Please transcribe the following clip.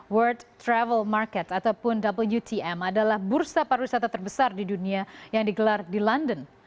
world travel market ataupun wtm adalah bursa pariwisata terbesar di dunia yang digelar di london